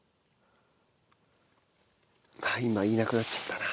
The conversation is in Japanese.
あっ今いなくなっちゃったな。